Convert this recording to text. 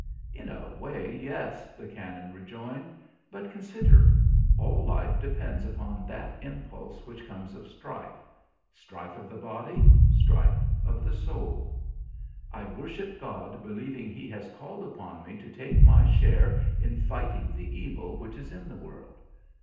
"In a way, yes," the canon rejoined, "but consider, all life depends upon that impulse which comes of strife strife of the body, strife of the soul. I worship God believing He has called upon me to take my share in fighting the evil which is in the world.